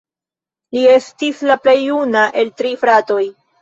Li estis la plej juna el tri fratoj.